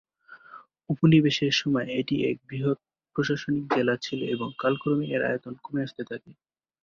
উপনিবেশের সময়ে এটি এক বৃহৎ প্রশাসনিক জেলা ছিল এবং কালক্রমে এর আয়তন কমে আসতে থাকে।